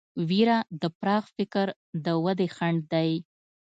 وېره د پراخ فکر د ودې خنډ دی.